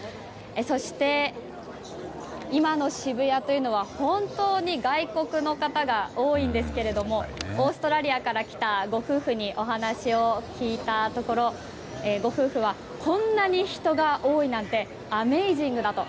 そして今の渋谷というのは本当に外国の方が多いんですけれどもオーストラリアから来たご夫婦にお話を聞いたところご夫婦はこんなに人が多いなんてアメイジングだと。